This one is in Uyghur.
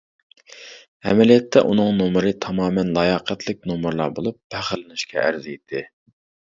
ئەمەلىيەتتە ئۇنىڭ نومۇرى تامامەن لاياقەتلىك نومۇرلار بولۇپ، پەخىرلىنىشكە ئەرزىيتتى.